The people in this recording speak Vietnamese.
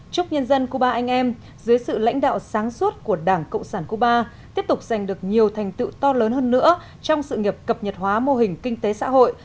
chúc nhân dân cuba anh em dưới sự lãnh đạo sáng suốt của đảng cộng sản cuba tiếp tục giành được nhiều thành tựu to lớn hơn nữa trong sự nghiệp cập nhật hóa mô hình kinh tế xã hội